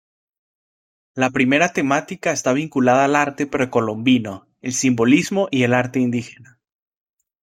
La primera temática está vinculada al arte precolombino, el simbolismo y el arte indígena.